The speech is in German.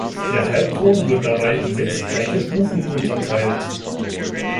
Der Halbton wird dabei in sechs gleiche Stufen unterteilt.